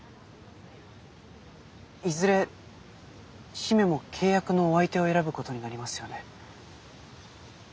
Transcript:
いずれ姫も契約のお相手を選ぶことになりますよね。